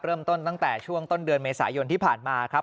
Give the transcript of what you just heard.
ตั้งแต่ช่วงต้นเดือนเมษายนที่ผ่านมาครับ